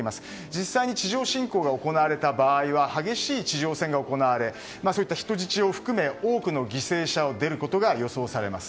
実際に地上侵攻が行われた場合は激しい地上戦が行われそういった人質を含め多くの犠牲者が出ることが予想されます。